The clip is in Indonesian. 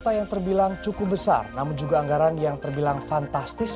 kota yang terbilang cukup besar namun juga anggaran yang terbilang fantastis